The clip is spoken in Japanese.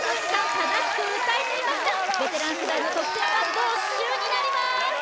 正しく歌えていましたベテラン世代の得点は没収になります・